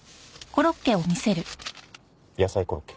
野菜コロッケ。